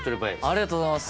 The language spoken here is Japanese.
ありがとうございます。